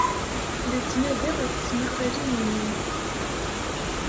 La ttnadiɣ ɣef tesmaqalin-inu.